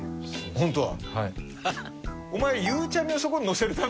ホントは。